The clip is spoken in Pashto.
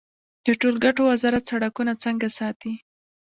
د ټولګټو وزارت سړکونه څنګه ساتي؟